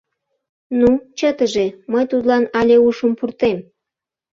Ну, чытыже, мый тудлан але ушым пуртем!